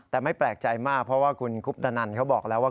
แต่ไม่แปลกใจมากเพราะว่าคุณคุปตนันเขาบอกแล้วว่า